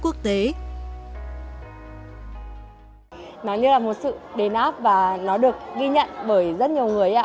nó như là một sự đề nắp và nó được ghi nhận bởi rất nhiều người ạ